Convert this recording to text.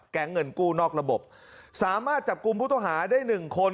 เงินกู้นอกระบบสามารถจับกลุ่มผู้ต้องหาได้หนึ่งคน